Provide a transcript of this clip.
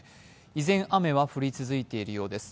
依然雨は降り続いているようです。